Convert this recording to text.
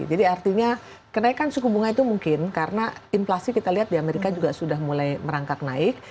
jadi artinya kenaikan suku bunga itu mungkin karena inflasi kita lihat di amerika juga sudah mulai merangkak naik